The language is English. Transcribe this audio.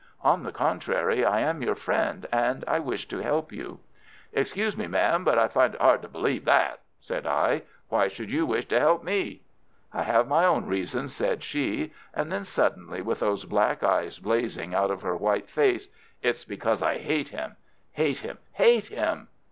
"On the contrary, I am your friend, and I wish to help you." "Excuse me, ma'am, but I find it hard to believe that," said I. "Why should you wish to help me?" "I have my own reasons," said she; and then suddenly, with those black eyes blazing out of her white face: "It's because I hate him, hate him, hate him!